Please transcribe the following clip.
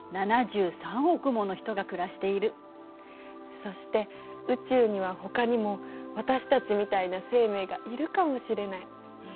そして宇宙にはほかにも私たちみたいな生命がいるかもしれない。